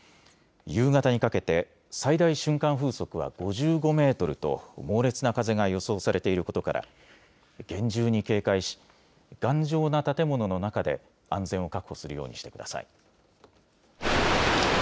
夕方にかけて最大瞬間風速は５５メートルと猛烈な風が予想されていることから厳重に警戒し頑丈な建物の中で安全を確保するようにしてください。